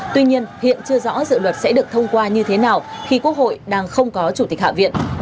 tuy nhiên hiện chưa rõ dự luật sẽ được thông qua như thế nào khi quốc hội đang không có chủ tịch hạ viện